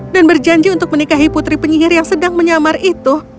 dan berjanji untuk menikahi putri penyihir yang sedang menyamar itu